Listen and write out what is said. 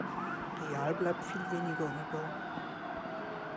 Real bleibt viel weniger über.